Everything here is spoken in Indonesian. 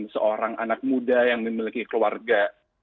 seorang anak muda yang memiliki keluarga